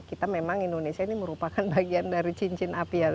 kita memang indonesia ini merupakan bagian dari cincin apian